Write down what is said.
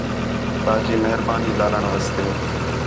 تا جی مہربانی لالݨ واسطے